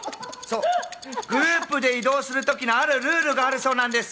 グループで移動する時のあるルールがあるそうなんです。